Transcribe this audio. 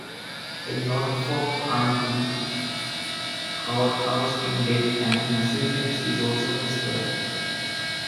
The Norfolk County Courthouse in Dedham, Massachusetts is also his work.